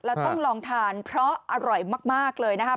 แล้วต้องลองทานเพราะอร่อยมากเลยนะครับ